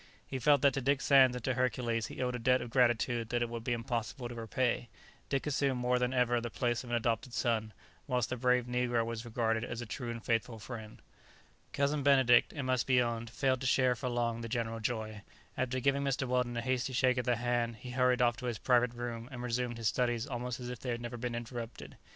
He felt that to Dick Sands and to Hercules he owed a debt of gratitude that it would be impossible to repay; Dick assumed more than ever the place of an adopted son, whilst the brave negro was regarded as a true and faithful friend. Cousin Benedict, it must be owned, failed to share for long the general joy. After giving Mr. Weldon a hasty shake of the hand, he hurried off to his private room, and resumed his studies almost as if they had never been interrupted.